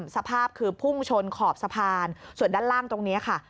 สภาพคือพุ่งชนขอบสะพานส่วนด้านล่างตรงนี้ค่ะ